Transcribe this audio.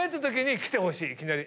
いきなり。